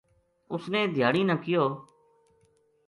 اس نے دھیانی نا کہیو